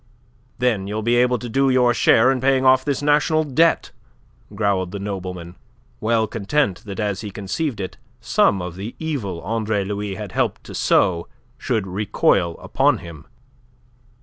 "Then you'll be able to do your share in paying off this national debt," growled the nobleman, well content that as he conceived it some of the evil Andre Louis had helped to sow should recoil upon him.